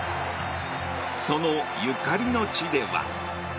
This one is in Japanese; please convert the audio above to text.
そのゆかりの地では。